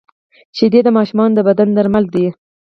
شیدې د ماشوم د بدن درمل دي